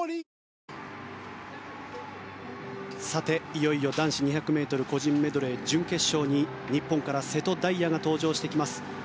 いよいよ男子２００ｍ個人メドレー準決勝に日本から瀬戸大也が登場してきます。